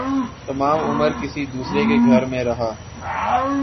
تمام عمر کسی دوسرے کے گھر میں رہا